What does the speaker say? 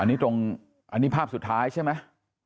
อันนี้ตรงอันนี้ภาพสุดท้ายใช่ไหม